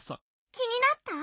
きになった？